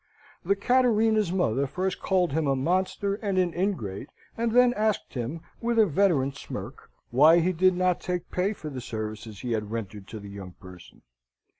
The Cattarina's mother first called him a monster and an ingrate, and then asked him, with a veteran smirk, why he did not take pay for the services he had rendered to the young person?